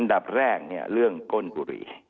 ดับแรกเนี่ยเรื่องก้นบุหรี่